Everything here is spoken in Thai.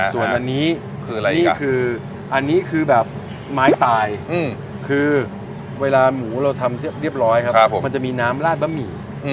ส่วนอันนี้คืออะไรนี่คืออันนี้คือแบบไม้ตายคือเวลาหมูเราทำเรียบร้อยครับมันจะมีน้ำลาดบะหมี่